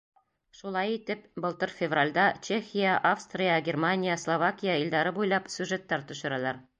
Шулай итеп, былтыр февралдә Чехия, Австрия, Германия, Словакия илдәре буйлап сюжеттар төшөрәләр.